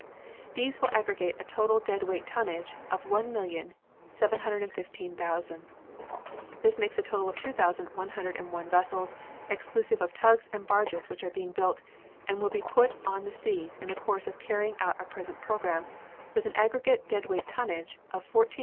These will aggregate a total dead weight tonnage of 1,715,000. This makes a total of two thousand one hundred and one vessels, exclusive of tugs and barges which are being built and will be put on the seas in the course of carrying out the present program, with an aggregate dead weight tonnage of 14,715,000.